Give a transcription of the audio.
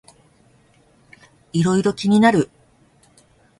いろいろ気になる